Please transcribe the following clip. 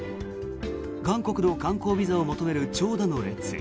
韓国の観光ビザを求める長蛇の列。